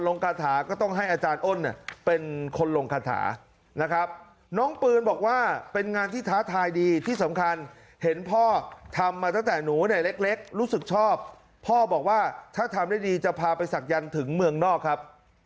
น้องปืนบอกว่าเป็นงานที่ท้าทายดีที่สำคัญเห็นพ่อทำมาตั้งแต่หนูในเล็กเล็กรู้สึกชอบพ่อบอกว่าถ้าทำได้ดีจะพาไปสักยันถึงเมืองนอกครับ